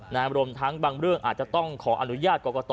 รวมทั้งบางเรื่องอาจจะต้องขออนุญาตกรกต